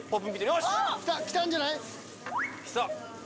よし、きたんじゃない？